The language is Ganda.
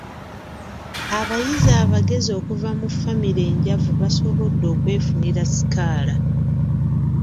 Abayizi abagezi okuva mu ffamire enjavu basobodde okwefunira sikaala.